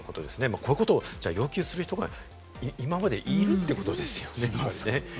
こういうことを要求する人が今までいるってことですよね。